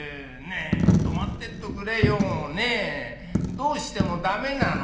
どうしてもだめなの？」。